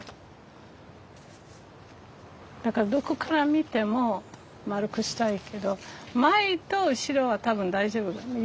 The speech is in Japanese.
だからどこから見ても丸くしたいけど前と後ろは多分大丈夫だ。